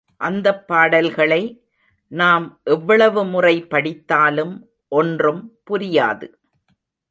அந்தப் பாடல்களை நாம் எவ்வளவு முறை படித்தாலும் ஒன்றும் புரியாது.